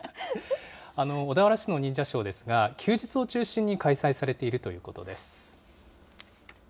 小田原市の忍者ショーですが、休日を中心に開催されているということです。